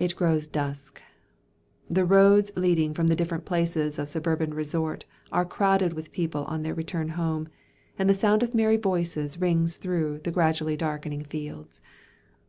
It grows dusk. The roads leading from the different places of suburban resort, are crowded with people on their return home, and the sound of merry voices rings through the gradually darkening fields.